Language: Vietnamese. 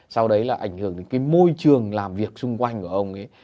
sau đấy là ảnh hưởng đến cái môi trường làm việc xung quanh của ông ấy